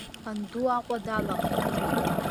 Анду Аҟәа далахеит.